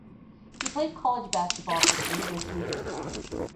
He played college basketball for the University of Utah.